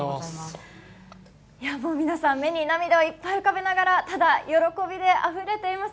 皆さん目に涙をいっぱい浮かべながらただ喜びであふれています。